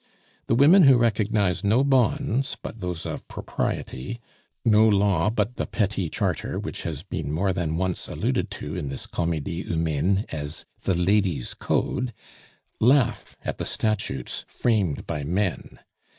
The women who recognize no bonds but those of propriety, no law but the petty charter which has been more than once alluded to in this Comedie Humaine as the ladies' Code, laugh at the statutes framed by men.